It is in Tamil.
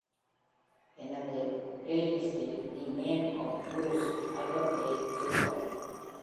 எனது பிளேலிஸ்ட்டில் 'தி நேம் ஆஃப் புளூஸ்' ஆல்பத்தைச் சேர்க்கவும்